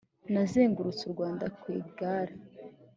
Nazengurutse u Rwanda kwigare